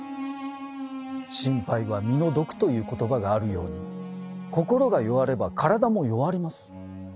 「心配は身の毒」という言葉があるように心が弱れば体も弱ります。